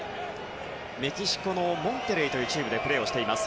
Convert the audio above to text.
メキシコのモンテレイというチームでプレーしています。